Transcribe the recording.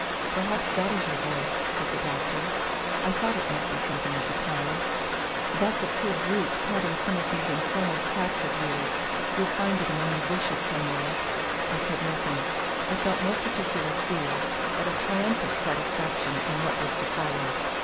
"Perhaps that is your voice," said the Doctor; "I thought it must be something of the kind. That's a poor brute caught in some of these infernal traps of yours; you'll find it among the bushes somewhere." I said nothing. I felt no particular fear, but a triumphant satisfaction in what was to follow.